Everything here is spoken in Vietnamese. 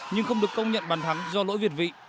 nhưng không được công nhận bàn thắng do lỗi việt vị